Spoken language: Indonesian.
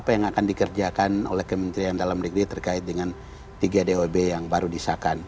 apa yang akan dikerjakan oleh kementerian dalam negeri terkait dengan tiga dob yang baru disahkan